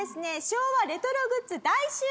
昭和レトログッズ大集合！